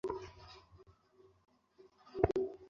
মহেন্দ্র স্তম্ভিত হইয়া বসিয়া ছিল।